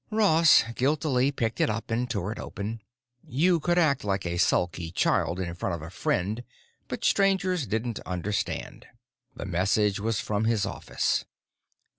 Ross guiltily picked it up and tore it open. You could act like a sulky child in front of a friend, but strangers didn't understand. The message was from his office.